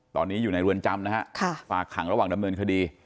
ตอนนี้อยู่ในเรือนจำนะฮะฝากขังระหว่างดำเนินคดี